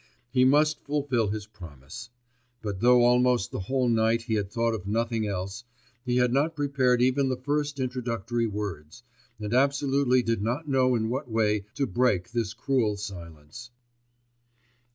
'... He must fulfil his promise. But though almost the whole night he had thought of nothing else, he had not prepared even the first introductory words, and absolutely did not know in what way to break this cruel silence.